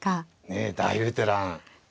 ねえ大ベテラン。